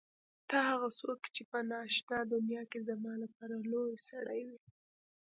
ته هغه څوک چې په نا آشنا دنیا کې زما لپاره لوى سړى وې.